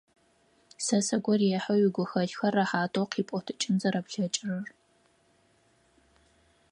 Сэ сыгу рехьы уигухэлъхэр рэхьатэу къипӏотыкӏын зэрэплъэкӏырэр.